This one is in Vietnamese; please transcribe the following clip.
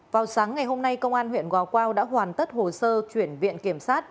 vào sáng ngày hôm nay công an huyện gò quao đã hoàn tất hồ sơ chuyển viện kiểm sát